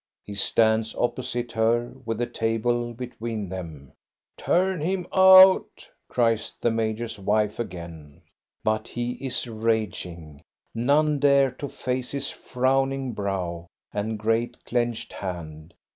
He stands oppo site her, with the table between them. "Turn him out! " cries the major's wife again. But he is raging ; none dare to face his frowning brow and great clenched hand.